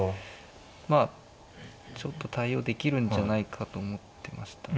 まあちょっと対応できるんじゃないかと思ってましたね。